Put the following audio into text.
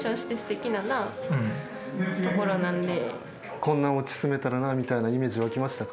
こんなおうちに住めたらなみたいなイメージ湧きましたか？